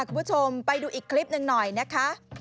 คุณผู้ชมไปดูอีกคลิปหนึ่งหน่อยนะคะ